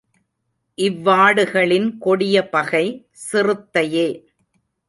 இவ் வாடுகளின் கொடிய பகை சிறுத்தையே.